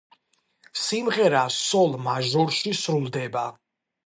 სიმღერა სოლ მაჟორში სრულდება.